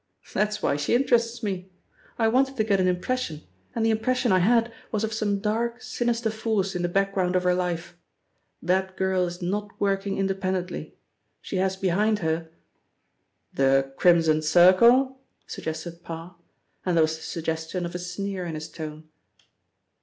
"That is why she interests me. I wanted to get an impression, and the impression I had was of some dark sinister force in the background of her life. That girl is not working independently. She has behind her " "The Crimson Circle?" suggested Parr, and there was the suggestion of a sneer in his tone.